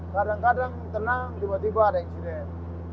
kadang kadang tenang tiba tiba ada insiden